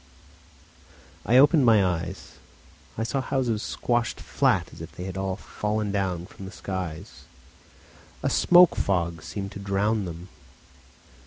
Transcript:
I opened my eyes. I saw houses squashed flat as if they had all fallen down from the skies; a smoke fog seemed to drown them.